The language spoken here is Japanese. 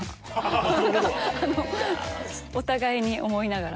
お互いに思いながら。